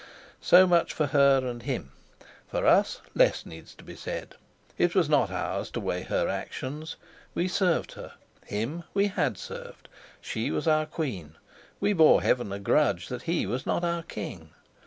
So much for her and him; for us less needs be said. It was not ours to weigh her actions; we served her; him we had served. She was our queen; we bore Heaven a grudge that he was not our king.